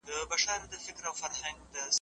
سپرلی یې ټولې زاڼې وشمارلې